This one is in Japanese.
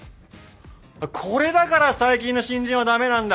これだから最近の新人はダメなんだ。